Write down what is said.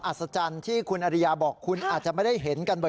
อัศจรรย์ที่คุณอริยาบอกคุณอาจจะไม่ได้เห็นกันบ่อย